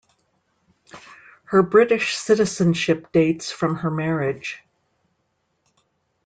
Her British citizenship dates from her marriage.